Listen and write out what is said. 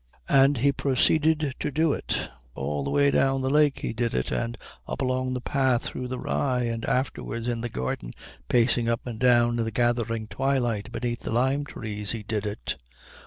And he proceeded to do it. All the way down the lake he did it, and up along the path through the rye, and afterwards in the garden pacing up and down in the gathering twilight beneath the lime trees he did it.